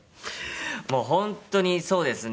もう本当にそうですね。